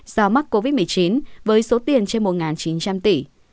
do mắc covid một mươi chín với số tiền trên một chín trăm linh tỷ